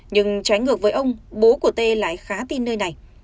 nhưng trái ngược với ông bố của tê lại khá tin nơi này